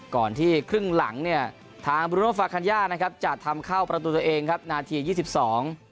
ก่อนที่ครึ่งหลังเนี่ยทางบรูโนฟาคัญญานะครับจะทำเข้าประตูตัวเองครับนาทียี่สิบสอง